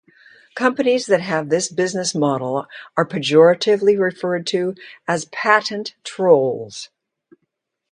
Companies that have this business model are pejoratively referred to as patent trolls.